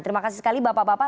terima kasih sekali bapak bapak